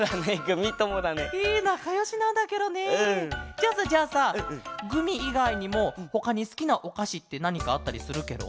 じゃあさじゃあさグミいがいにもほかにすきなおかしってなにかあったりするケロ？